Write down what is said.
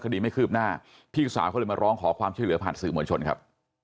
คดีไม่คืบหน้าพี่สาวเขาเลยมาร้องขอความช่วยเหลือผ่านสื่อมวลชนครับ